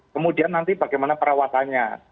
kemudian nanti bagaimana perawatannya